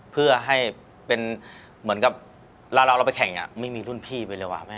เพื่อให้เป็นเหมือนกับเวลาเราไปแข่งไม่มีรุ่นพี่ไปเลยว่ะแม่